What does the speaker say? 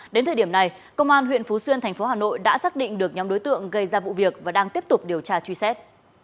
đến thời điểm này công an huyện phú xuyên thành phố hà nội đã xác định được nhóm đối tượng gây ra vụ việc và đang tiếp tục điều tra truy xét